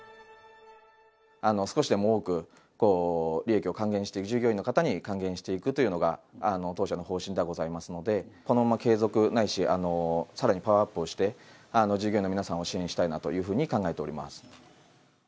少しでも多く利益を還元して、従業員の方に還元していくというのが当社の方針ではございますので、このまま継続、ないしさらにパワーアップをして、従業員の皆さんを支援したいなというふうに考えております。